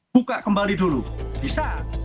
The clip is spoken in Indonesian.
buka kembali dulu bisa